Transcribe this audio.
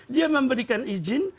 dia memberikan izin